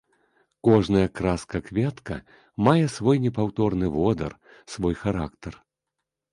Кожная краска-кветка мае свой непаўторны водар, свой характар.